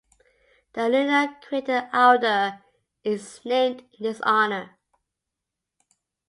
The lunar crater Alder is named in his honour.